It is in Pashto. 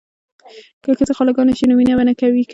که ښځې خاله ګانې شي نو مینه به نه وي کمه.